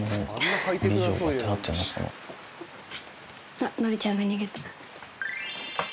あっのりちゃんが逃げた。